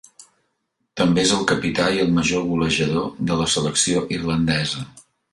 També és el capità i el major golejador de la selecció irlandesa.